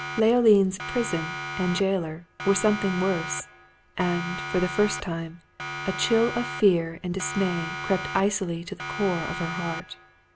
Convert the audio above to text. Leoline's prison and jailer were something worse; and, for the first time, a chill of fear and dismay crept icily to the core of her heart.